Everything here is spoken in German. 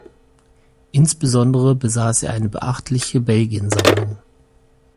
Insbesondere besaß er eine beachtliche Belgien-Sammlung.